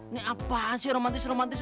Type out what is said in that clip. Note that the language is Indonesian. ini apa sih romantis romantis